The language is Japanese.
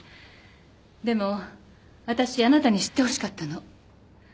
でも私あなたに知ってほしかったの。